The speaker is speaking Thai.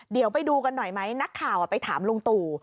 เดี๋ยวไปดูกันหน่อยไหมนักข่าวไปถามลุงตู่